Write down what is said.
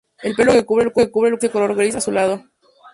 El pelo que cubre el cuerpo es de color gris azulado.